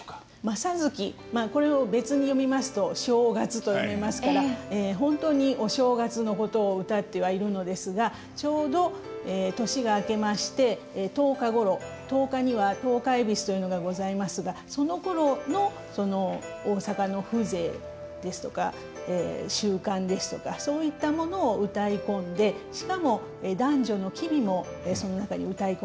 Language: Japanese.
正月これを別に読みますと正月と読みますから本当にお正月のことを歌ってはいるのですがちょうど年が明けまして十日ごろ十日には十日戎というのがございますがそのころの大阪の風情ですとか習慣ですとかそういったものをうたい込んでしかも男女の機微もその中にうたい込まれているということです。